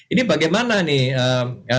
ini bagaimana nih